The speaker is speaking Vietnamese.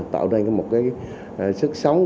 tạo nên một cái sức sống